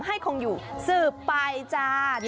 ให้คงอยู่สืบไปจ้า